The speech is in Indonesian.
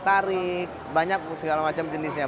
tarik banyak segala macam jenisnya